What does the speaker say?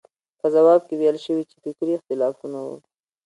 په ځواب کې ویل شوي چې فکري اختلافونه وو.